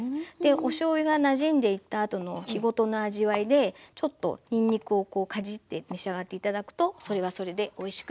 おしょうゆがなじんでいったあとの日ごとの味わいでちょっとにんにくをかじって召し上がって頂くとそれはそれでおいしくなります。